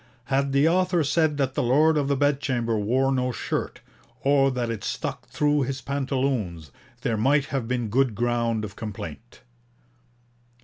Had the author said that the Lord of the Bedchamber wore no shirt, or that it stuck through his pantaloons, there might have been good ground of complaint.'